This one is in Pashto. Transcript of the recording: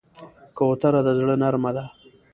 کوتره د زړه نرمه ده.